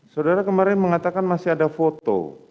saudara kemarin mengatakan masih ada foto